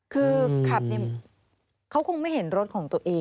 คือขับเนี่ยเขาคงไม่เห็นรถของตัวเอง